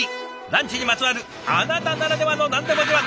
ランチにまつわるあなたならではの何でも自慢。